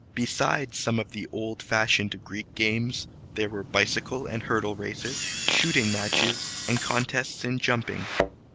Besides some of the old fashioned Greek games, there were bicycle and hurdle races, shooting matches, and contests in jumping.